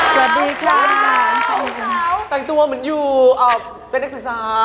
สวนครับว้าวเป็นนักศึกษา